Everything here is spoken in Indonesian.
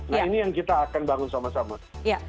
nah ini yang kita akan bangun sama sama